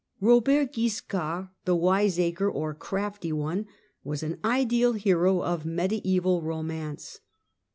Eobert Guiscard, the " Wise acre " or " Crafty One," was an ideal hero of mediaeval romance.